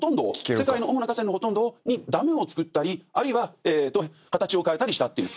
世界の主な河川のほとんどにダムを造ったりあるいは形を変えたりした。